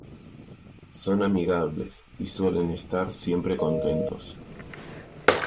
Son amigables, y suelen estar siempre contentos.